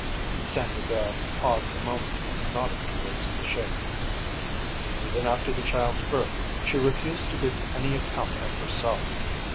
Saint Hubert paused a moment and nodded towards the Sheik. "Even after the child's birth she refused to give any account of herself.